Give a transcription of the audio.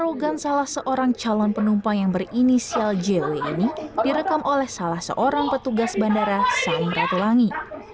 arogan salah seorang calon penumpang yang berinisial jw ini direkam oleh salah seorang petugas bandara samratulangi